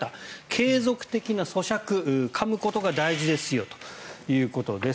継続的なそしゃくかむことが大事ですよということです。